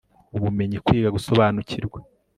ubumenyi, kwiga, gusobanukirwa